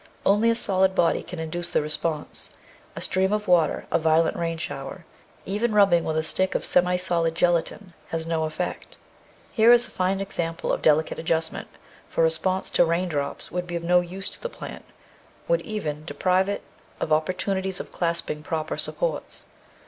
Only a solid body can induce the response ; a stream of water, a violent rain shower, even rubbing with a stick of semi solid gelatine, has no effect. Here is a fine example of delicate adjustment, for response to rain drops would be of no use to the plant, would even deprive it of oppor 622 The Outline of Science tunities of clasping proper supports.